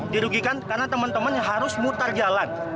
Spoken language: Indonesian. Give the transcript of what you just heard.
dirugikan karena teman teman harus mutar jalan